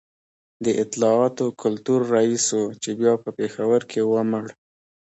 د اطلاعاتو کلتور رئیس و چي بیا په پېښور کي ومړ